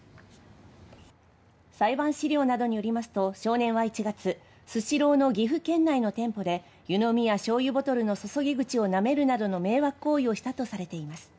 裁判資料などによりますと少年は１月スシローの岐阜県内の店舗で湯飲みやしょうゆボトルの注ぎ口をなめるなどの迷惑行為をしたとされています。